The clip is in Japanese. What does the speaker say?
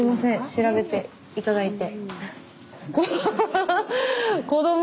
調べて頂いて。